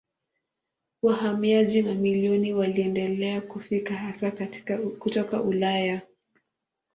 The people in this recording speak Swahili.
Wahamiaji mamilioni waliendelea kufika hasa kutoka Ulaya.